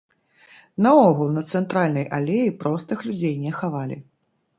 Наогул, на цэнтральнай алеі простых людзей не хавалі.